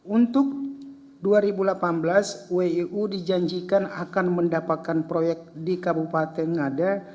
untuk dua ribu delapan belas wiu dijanjikan akan mendapatkan proyek di kabupaten ngada